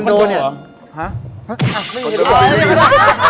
เนี้ย